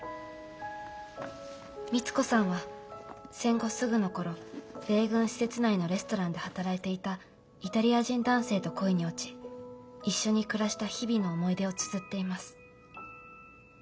光子さんは戦後すぐの頃米軍施設内のレストランで働いていたイタリア人男性と恋に落ち一緒に暮らした日々の思い出をつづっています。